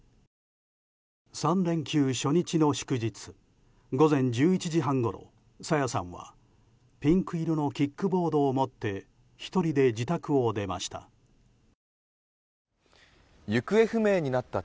３連休初日の祝日午前１１時半ごろ朝芽さんはピンク色のキックボードを持って１人で自宅を出ました。